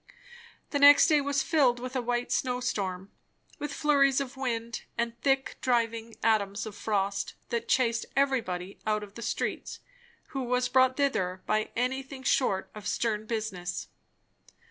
The next day was filled with a white snow storm; with flurries of wind and thick, driving atoms of frost, that chased everybody out of the streets who was brought thither by anything short of stern business.